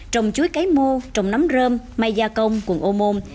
trồng chuối cấy mô trồng nấm rơm may gia công quận ô môn